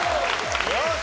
よし！